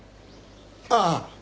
ああ！